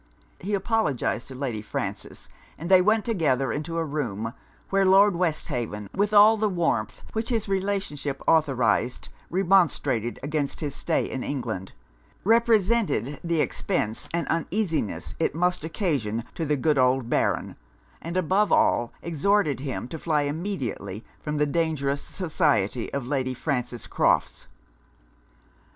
He apologized to Lady Frances, and they went together into a room; where Lord Westhaven, with all the warmth which his relationship authorized, remonstrated against his stay in England; represented the expence and uneasiness it must occasion to the good old Baron; and above all, exhorted him to fly immediately from the dangerous society of Lady Frances Crofts.